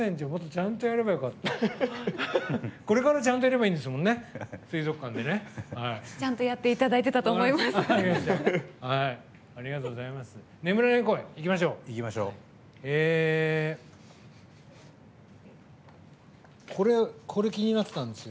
ちゃんとやっていただいてたと思います！